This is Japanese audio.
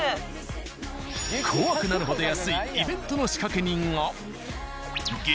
怖くなるほど安いイベントの仕掛人が。